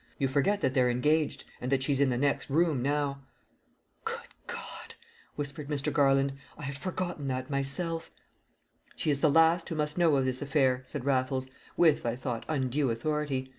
You forget that they're engaged, and that she's in the next room now." "Good God!" whispered Mr. Garland. "I had forgotten that myself." "She is the last who must know of this affair," said Raffles, with, I thought, undue authority.